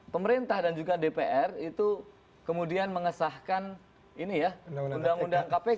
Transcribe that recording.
pemerintah dan juga dpr itu kemudian mengesahkan ini ya undang undang kpk